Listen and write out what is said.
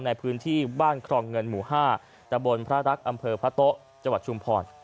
ในพื้นที่บ้านครองเงินหมู่๕ตะบนพระรักษ์อำเภอพระโต๊ะจังหวัดชุมพร